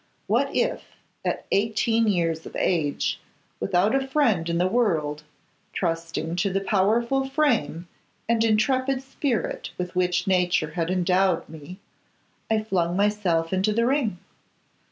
What if, at eighteen years of age, without a friend in the world, trusting to the powerful frame and intrepid spirit with which Nature had endowed me, I flung myself into the ring?